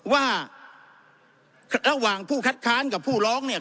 ว่าระหว่างผู้คัดค้านกับผู้ร้องเนี่ย